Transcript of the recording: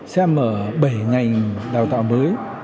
sẽ mở bảy ngành đào tạo mới